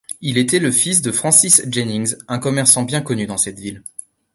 Il était le fils de Francis Jennings, un commerçant bien connu dans cette ville.